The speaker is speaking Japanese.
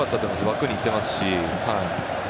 枠に行ってますし。